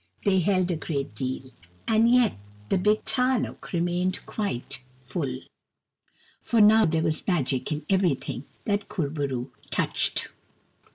They held a great deal, and yet the big tarnuk remained quite 224 KUR BO ROO, THE BEAR full. For now there was Magic in everything that Kur bo roo touched.